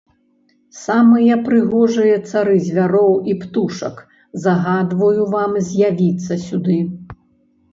Самыя прыгожыя цары звяроў і птушак, загадваю вам з'явіцца сюды!